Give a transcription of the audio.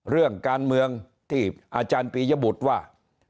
เรื่องการเมืองที่อาจารย์ปียบุตรว่า